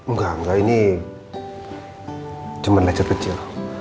nggak nggak ini cuma lecet kecil